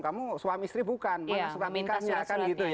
kamu suami istri bukan mana suami ikan ya kan gitu ya